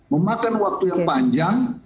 memakan waktu yang panjang